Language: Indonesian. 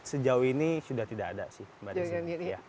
sejauh ini sudah tidak ada sih mbak desi